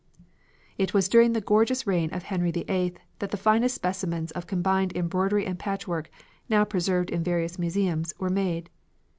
It was during the gorgeous reign of Henry VIII that the finest specimens of combined embroidery and patchwork, now preserved in various museums, were made.